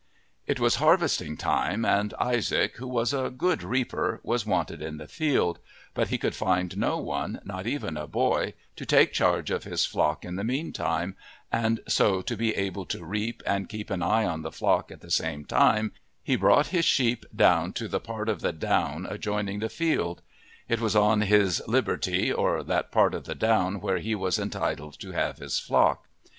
It was harvesting time, and Isaac, who was a good reaper, was wanted in the field, but he could find no one, not even a boy, to take charge of his flock in the meantime, and so to be able to reap and keep an eye on the flock at the same time he brought his sheep down to the part of the down adjoining the field. It was on his "liberty," or that part of the down where he was entitled to have his flock.